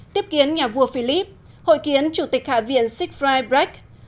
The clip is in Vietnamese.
tiếp kiến nhà vua philip hội kiến chủ tịch hạ viện siegfried brecht